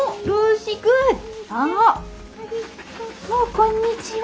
「こんにちは」